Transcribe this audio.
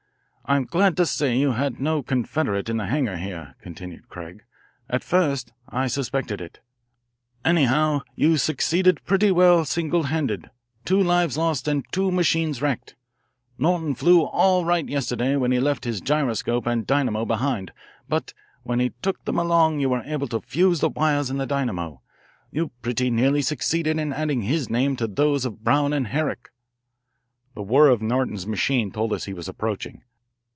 "I'm glad to say you had no confederate in the hangar here," continued Craig. "At first I suspected it. Anyhow, you succeeded pretty well single handed, two lives lost and two machines wrecked. Norton flew all right yesterday when he left his gyroscope and dynamo behind, but when he took them along you were able to fuse the wires in the dynamo you pretty nearly succeeded in adding his name to those of Browne and Herrick." The whir of Norton's machine told us he was approaching.